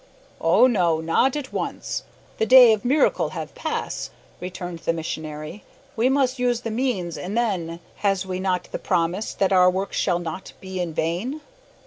"Oh no, not at once. The day of miracle have pass," returned the missionary. "We mus' use the means, and then, has we not the promise that our work shall not be in vain?"